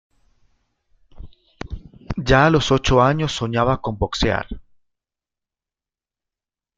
Ya a los ocho años soñaba con boxear.